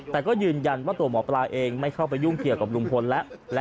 แต่ก็ยืนยันว่าตัวหมอปลาเองไม่เข้าไปยุ่งเกี่ยวกับลุงพลแล้ว